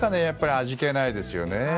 やっぱり味気ないですよね。